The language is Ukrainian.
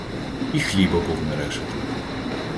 І хліба повне решето.